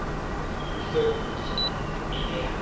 喜左衛門の手じゃな。